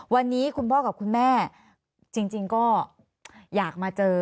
วันนี้คุณพ่อกับคุณแม่จริงก็อยากมาเจอ